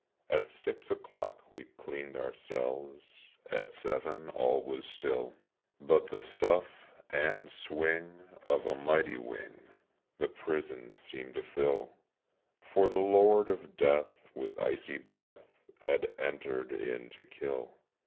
At six o'clock we cleaned our cells, At seven all was still, But the sough and swing of a mighty wing The prison seemed to fill, For the Lord of Death with icy breath Had entered in to kill.